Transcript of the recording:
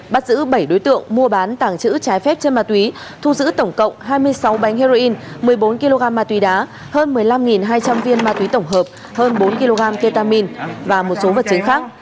bắt giữ bảy đối tượng mua bán tàng trữ trái phép chân ma túy thu giữ tổng cộng hai mươi sáu bánh heroin một mươi bốn kg ma túy đá hơn một mươi năm hai trăm linh viên ma túy tổng hợp hơn bốn kg ketamine và một số vật chứng khác